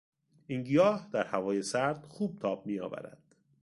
این گیاه در هوای سرد خوب تاب میآورد.